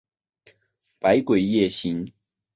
百鬼夜行。